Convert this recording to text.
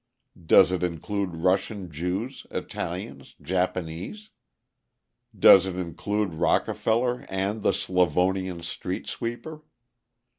Does it include Russian Jews, Italians, Japanese? Does it include Rockefeller and the Slavonian street sweeper?